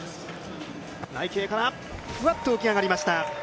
内径からふわっと浮き上がりました。